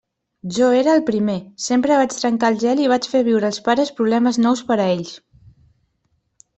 Jo era el primer, sempre vaig trencar el gel i vaig fer viure als pares problemes nous per a ells.